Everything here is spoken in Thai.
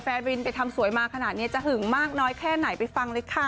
แฟนวินไปทำสวยมาขนาดนี้จะหึงมากน้อยแค่ไหนไปฟังเลยค่ะ